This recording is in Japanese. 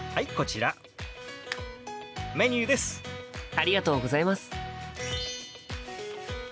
ありがとうございます。